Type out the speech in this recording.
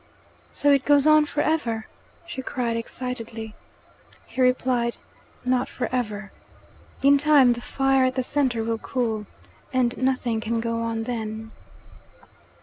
"So it goes on for ever!" she cried excitedly. He replied: "Not for ever. In time the fire at the centre will cool, and nothing can go on then."